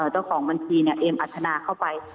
เจ้าของบัญชีเอ็มอัธนาเข้าไป